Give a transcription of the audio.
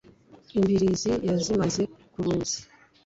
imbirizi yazimaze mu ruzi.